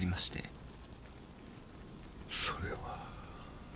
それは。